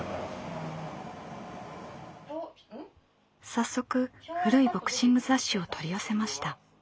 早速古いボクシング雑誌を取り寄せました。